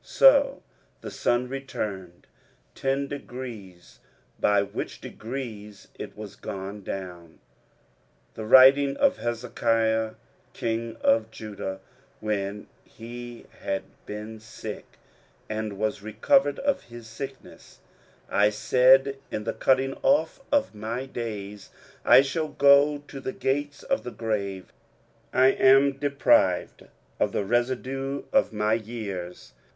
So the sun returned ten degrees, by which degrees it was gone down. 23:038:009 The writing of Hezekiah king of Judah, when he had been sick, and was recovered of his sickness: 23:038:010 I said in the cutting off of my days, I shall go to the gates of the grave: I am deprived of the residue of my years.